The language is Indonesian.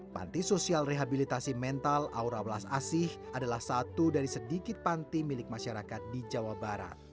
panti sosial rehabilitasi mental aura blas asih adalah satu dari sedikit panti milik masyarakat di jawa barat